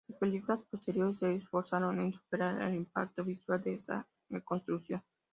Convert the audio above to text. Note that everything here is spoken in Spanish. Las películas posteriores se esforzaron en superar el impacto visual de esa reconstrucción.